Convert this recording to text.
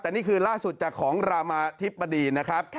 แต่นี่คือล่าสุดจากของรามาธิบดีนะครับ